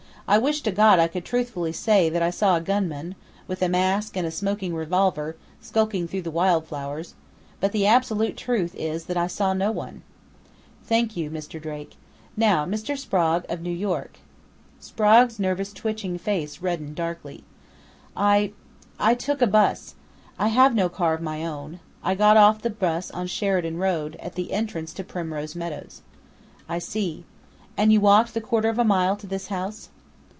"I wish to God I could truthfully say that I saw a gunman, with a mask and a smoking revolver, skulking through the wildflowers, but the absolute truth is that I saw no one." "Thank you, Mr. Drake.... Now Mr. Sprague, 'of New York'!" Sprague's nervously twitching face reddened darkly. "I I took a bus. I have no car of my own. I got off the bus on Sheridan Road, at the entrance to Primrose Meadows." "I see. And you walked the quarter of a mile to this house?"